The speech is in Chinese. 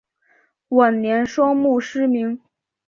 晚年双目失明。